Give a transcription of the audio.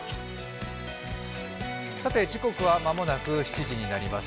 時刻はまもなく７時になります。